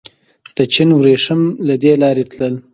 د چین وریښم له دې لارې تلل